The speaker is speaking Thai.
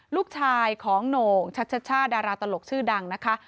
ลูกชายของโหน่งชัชช่าดาราตลกชื่อดังนะคะ